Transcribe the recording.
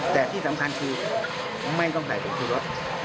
แต่ที่สำคัญคือไม่ต้องใส่ผงชูรส